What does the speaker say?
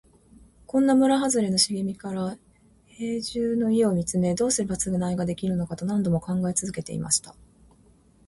ごんは村はずれの茂みから兵十の家を見つめ、どうすれば償いができるのかと何度も考え続けていました。